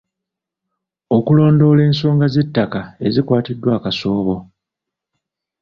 Okulondoola ensonga z'ettaka ezikwatiddwa akasoobo.